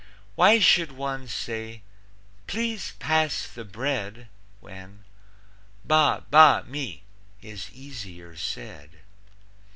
Why should one say, "Please pass the bread," When "Ba ba me" is easier said?